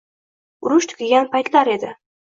Urush tugagan paytlar edi.